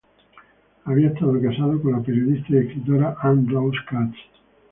Había estado casado con la periodista y escritora Anne Rose Katz.